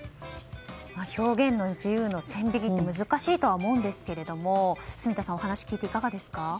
表現の自由の線引きって難しいとは思うんですけど住田さん、お話を聞いていかがですか？